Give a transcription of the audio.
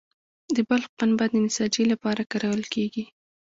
د بلخ پنبه د نساجي لپاره کارول کیږي